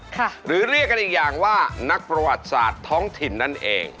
หรือเรียกกันอีกอย่างว่านักประวัติศาสตร์ท้องถิ่นนั่นเอง